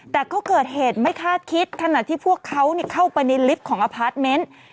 แต่ก็เกิดเหตุไม่คาดคิดขณะที่พวกเขาเข้าไปในลิฟต์ของอพาร์ทเมนต์